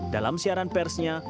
dalam siaran persnya